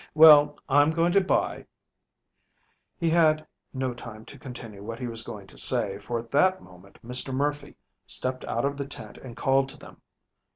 Well, I'm going to buy " He had no time to continue what he was going to say, for at that moment Mr. Murphy stepped out of the tent and called to them.